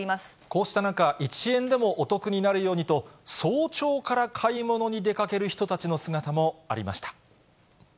こうした中、１円でもお得になるようにと、早朝から買い物に出かける人たちの姿もありました。